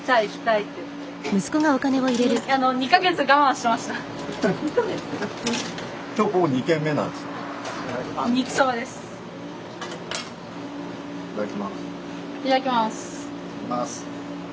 いただきます。